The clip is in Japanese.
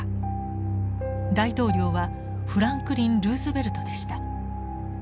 大統領はフランクリン・ルーズベルトでした。